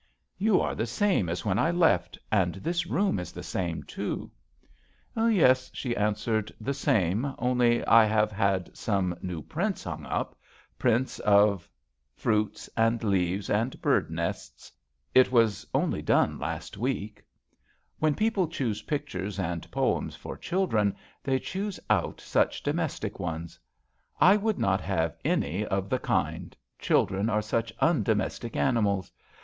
'You are the same as when eft, and this room is the same, 'Yes," she answered, "the Tie, only I have had some y prints hung up prints of its and leaves and bird nests. was only done last week. 92 JOHN SHERMAN. When people choose pictures and poems for children they choose out such domestic ones. I would not have any of the kind ; children are such un domestic animals.